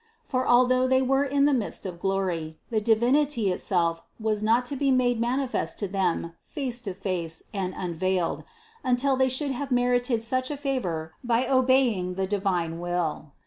For although they were in the midst of glory, the Divinity itself was not to be made manifest to them face to face and unveiled, until they should have merited such a favor by obeying the divine will.